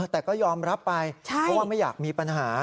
แต่ก็ยอมรับไปเพราะว่าไม่อยากมีปัญหา